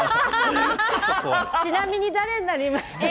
ちなみに誰になりますか？